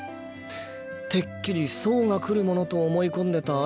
てっきり走が来るものと思い込んでたあ